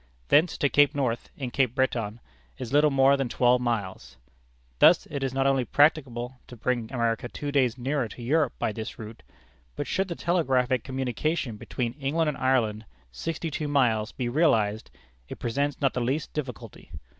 Thence to Cape North, in Cape Breton, is little more than twelve miles. Thus it is not only practicable to bring America two days nearer to Europe by this route, but should the telegraphic communication between England and Ireland, sixty two miles, be realized, it presents not the least difficulty.